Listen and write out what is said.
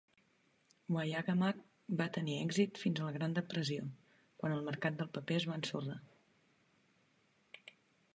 Wayagamack va tenir èxit fins a la Gran Depressió, quan el mercat del paper es va ensorrar.